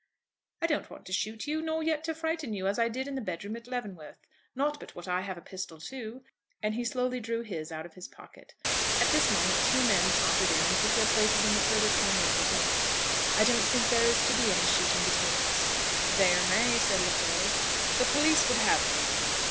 "I don't want to shoot you, nor yet to frighten you, as I did in the bed room at Leavenworth. Not but what I have a pistol too." And he slowly drew his out of his pocket. At this moment two men sauntered in and took their places in the further corner of the room. "I don't think there is to be any shooting between us." "There may," said Lefroy. "The police would have you."